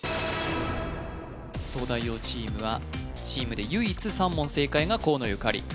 東大王チームはチームで唯一３問正解が河野ゆかり